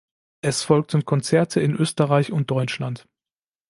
Es folgten Konzerte in Österreich und Deutschland.